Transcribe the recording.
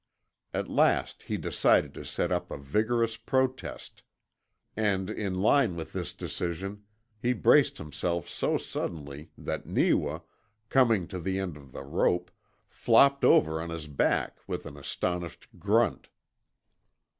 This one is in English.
At last he decided to set up a vigorous protest, and in line with this decision he braced himself so suddenly that Neewa, coming to the end of the rope, flopped over on his back with an astonished grunt.